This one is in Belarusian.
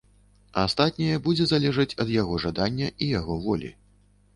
Астатняе будзе залежаць ад яго жадання і яго волі.